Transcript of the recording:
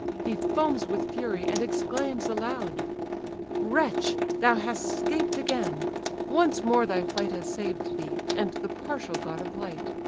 He foams with fury, and exclaims aloud: "Wretch! thou hast 'scaped again; once more thy flight Has saved thee, and the partial god of light.